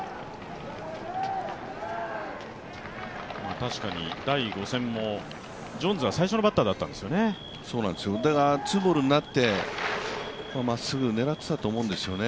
確かに第５戦もジョーンズが最初のバッターだったんですよね。